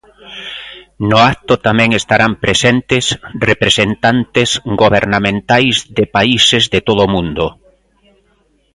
No acto tamén estarán presentes representantes gobernamentais de países de todo o mundo.